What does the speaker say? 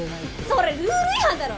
それルール違反だろ！